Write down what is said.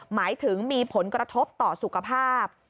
หมายถึงมีผลกระทบต่อสุขภาพ